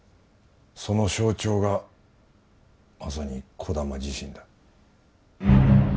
その象徴がまさに児玉自身だ。